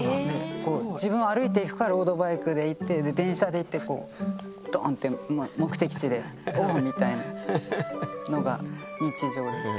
自分は歩いていくかロードバイクで行ってで電車で行ってこうドーンってみたいのが日常です。